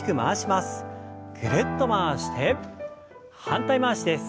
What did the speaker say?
ぐるっと回して反対回しです。